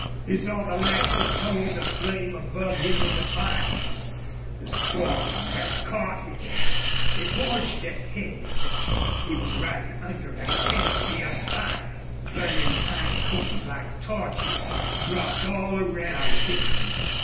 He saw the lashing tongues of flame above him in the pines. The storm had caught him. It forged ahead. He was riding under a canopy of fire. Burning pine cones, like torches, dropped all around him.